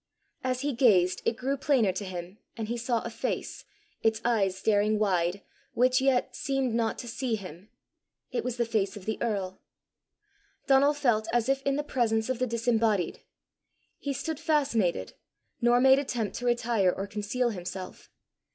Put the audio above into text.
As he gazed it grew plainer to him, and he saw a face, its eyes staring wide, which yet seemed not to see him. It was the face of the earl. Donal felt as if in the presence of the disembodied; he stood fascinated, nor made attempt to retire or conceal himself.